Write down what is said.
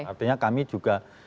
artinya kami juga